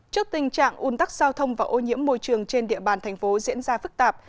trước tình trạng un tắc giao thông và ô nhiễm môi trường trên địa bàn thành phố diễn ra phức tạp